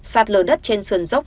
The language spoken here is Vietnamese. sạt lờ đất trên sườn dốc